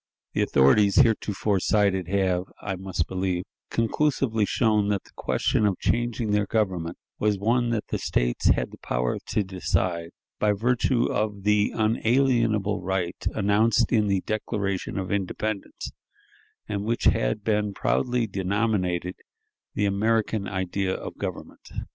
The authorities heretofore cited have, I must believe, conclusively shown that the question of changing their government was one that the States had the power to decide by virtue of the unalienable right announced in the Declaration of Independence, and which had been proudly denominated the American idea of government.